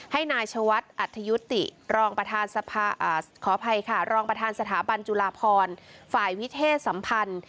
ให้นายชะวัดอัธยุติรองประธานสถาบันจุลาพรฯฝ่ายวิเทศสัมพันธ์